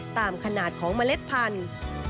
ตามขนาดของเมล็ดพันธุ์